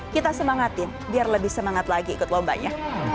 kita semangatin biar lebih semangat lagi ikut lombanya